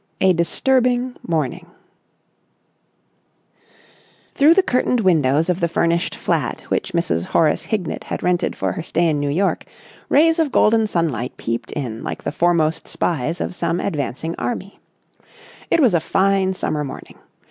A DISTURBING MORNING Through the curtained windows of the furnished flat which Mrs. Horace Hignett had rented for her stay in New York, rays of golden sunlight peeped in like the foremost spies of some advancing army. It was a fine summer morning.